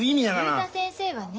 竜太先生はね